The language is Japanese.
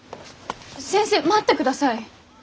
先生待ってください。